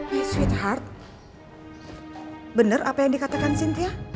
my sweetheart benar apa yang dikatakan sintia